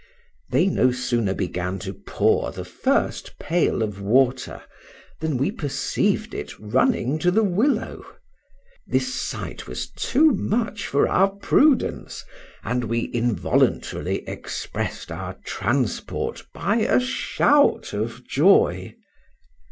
They no sooner began to pour the first pail of water, than we perceived it running to the willow; this sight was too much for our prudence, and we involuntarily expressed our transport by a shout of joy.